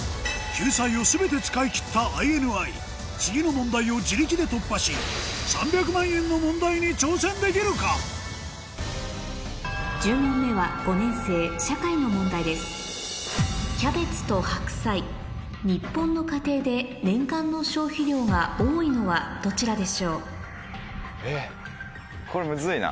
したＩＮＩ次の問題を自力で突破し１０問目は５年生社会の問題です日本の家庭で年間の消費量が多いのはどちらでしょう？